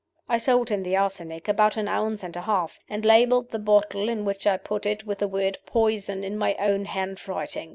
I sold him the arsenic about an ounce and a half and labeled the bottle in which I put it with the word 'Poison' in my own handwriting.